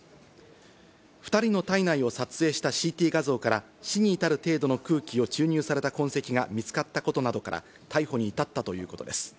２人の体内を撮影したＣＴ画像から死に至る程度の空気を注入された痕跡が見つかったことなどから逮捕に至ったということです。